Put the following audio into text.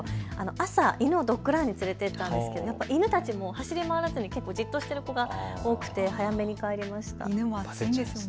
朝、ドッグランに連れていったんですけど犬たちも走り回らずにじっとしている子が多くて早めに帰りました。